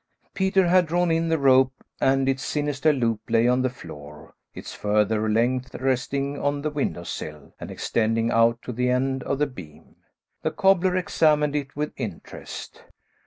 Peter had drawn in the rope, and its sinister loop lay on the floor, its further length resting on the window sill, and extending out to the end of the beam. The cobbler examined it with interest.